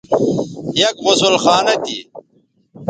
یک غسل خانہ تھی